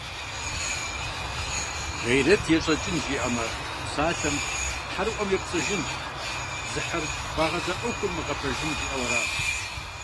«Гъейрэт ещӀэкӏын» жиӏэмэ, псалъэм, тхьэрыӀуэм епцӀыжын, дзыхьыр, къуагъэза Ӏуэхугъуэр мыгъэпэжын, жиӏэу аращ.